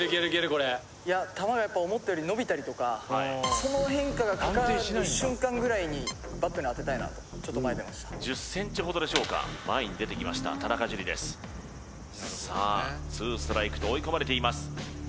これその変化がかかる瞬間ぐらいにバットに当てたいなとちょっと前出ました１０ｃｍほどでしょうか前に出てきました田中樹ですさあツーストライクと追い込まれています